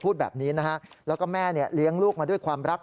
พูดแบบนี้นะฮะแล้วก็แม่เนี่ยเลี้ยงลูกมาด้วยความรัก